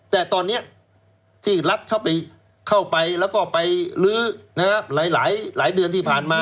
แต่ตอนนี้ที่รัฐเข้าไปแล้วก็ไปลื้อหลายเดือนที่ผ่านมา